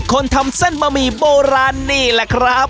คนทำเส้นบะหมี่โบราณนี่แหละครับ